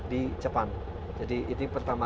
di jepang jadi ini pertama